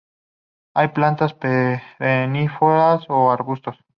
Hay plantas perennifolias o arbustos.